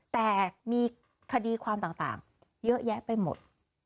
แต่มีคดีความต่างเยอะแยะไปหมด